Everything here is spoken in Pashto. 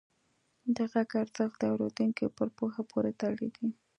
د غږ ارزښت د اورېدونکي پر پوهه پورې تړلی دی.